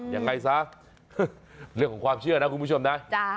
ยังไงซะเรื่องของความเชื่อนะคุณผู้ชมนะ